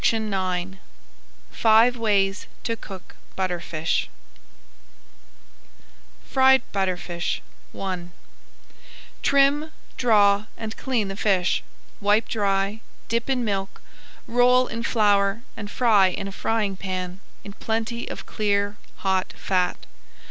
[Page 79] FIVE WAYS TO COOK BUTTERFISH FRIED BUTTERFISH I Trim, draw, and clean the fish. Wipe dry, dip in milk, roll in flour and fry in a frying pan in plenty of clear hot fat.